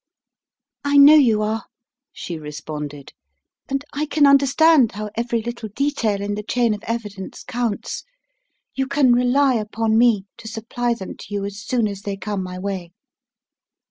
"I know you are," she responded, "and I can un derstand how every little detail in the chain of evi dence counts. You can rely upon me to supply them to you as soon as they come my way."